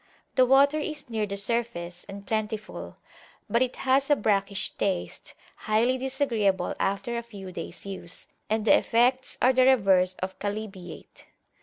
The water is near the surface and plentiful, but it has a brackish taste, highly disagreeable after a few days use, and the effects are the reverse of chalybeate.